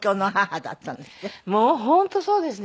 もう本当そうですね。